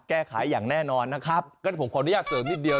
แก้ไขอย่างแน่นอนนะครับงั้นผมขออนุญาตเสริมนิดเดียว